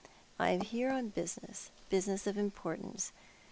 I am here on business — business of importance.